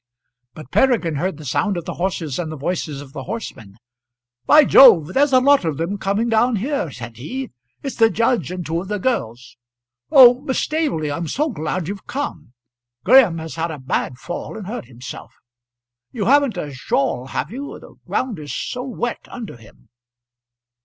But Peregrine heard the sound of the horses and the voices of the horsemen. "By Jove, there's a lot of them coming down here," said he. "It's the judge and two of the girls. Oh, Miss Staveley, I'm so glad you've come. Graham has had a bad fall and hurt himself. You haven't a shawl, have you? the ground is so wet under him."